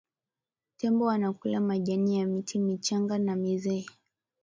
tembo wanakula majani ya miti michanga na mizee